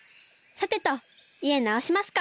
さてといえなおしますか。